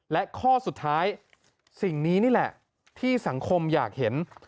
และข้อสุดท้ายสิ่งนี้นี่แหละที่สังคมอยากเห็น